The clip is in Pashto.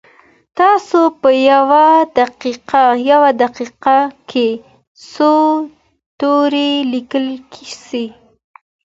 تاسو په یوه دقیقه کي څو توري لیکلی سئ؟